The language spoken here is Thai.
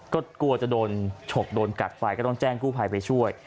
ก็กลัวจะโดนฉกโดนกัดไปก็ต้องแจ้งกู้ภัยไปช่วย